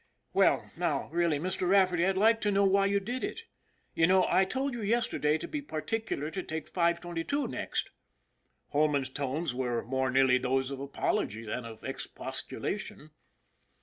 " Well, now, really, Mr. Rafferty, I'd like to know why you did it ? You know I told you yesterday to be particular to take 522 next." Holman's tones were more nearly those of apology than of expostulation.